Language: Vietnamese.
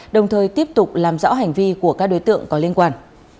đồng thời tiếp tục làm rõ hành vi của các đối tượng có liên quan